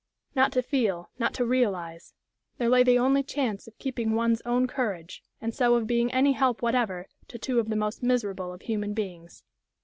Not to feel, not to realize; there lay the only chance of keeping one's own courage, and so of being any help whatever to two of the most miserable of human beings.